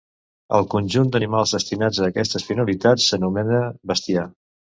El conjunt d'animals destinats a aquestes finalitats s'anomena bestiar.